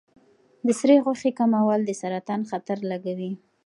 د سرې غوښې کمول د سرطان خطر لږوي.